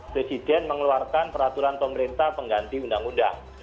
presiden mengeluarkan peraturan pemerintah pengganti undang undang